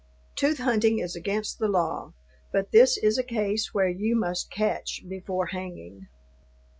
Tooth hunting is against the law, but this is a case where you must catch before hanging.